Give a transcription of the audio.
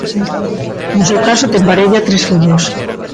No seu caso ten parella e tres fillos.